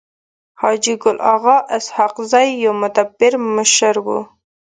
حاجي ګل اغا اسحق زی يو مدبر مشر وو.